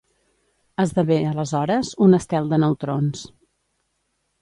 Esdevé, aleshores, un estel de neutrons.